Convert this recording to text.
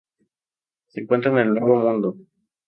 Se encuentran en el Nuevo mundo.